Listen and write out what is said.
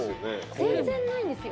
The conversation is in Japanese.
全然ないんですよ